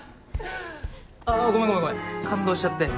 あぁごめんごめんごめん感動しちゃって。